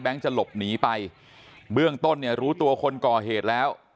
จะหลบหนีไปเบื้องต้นเนี่ยรู้ตัวคนก่อเหตุแล้ว